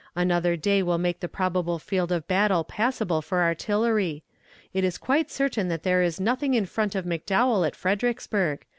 Another day will make the probable field of battle passable for artillery. It is quite certain that there is nothing in front of McDowell at Fredericksburg.